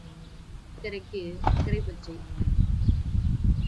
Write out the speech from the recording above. இக்கரைக்கு அக்கரை பச்சை.